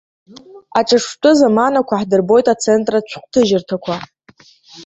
Аҿырԥштәы заманақәа ҳдырбоит ацентртә шәҟәҭыжьырҭақәа.